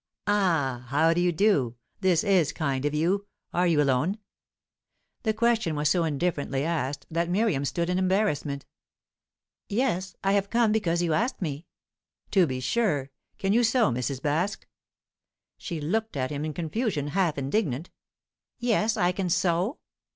"Ah! How do you do? This is kind of you. Are you alone?" The question was so indifferently asked, that Miriam stood in embarrassment. "Yes. I hare come because you asked me." "To be sure. Can you sew, Mrs. Baske?" She looked at him in confusion, half indignant. "Yes, I can sew."